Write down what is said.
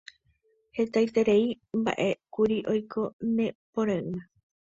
hetaiterei mba'e kuri oiko ne pore'ỹme